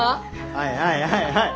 はいはいはいはい。